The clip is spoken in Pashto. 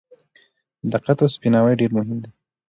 دقت او سپیناوی ډېر مهم دي.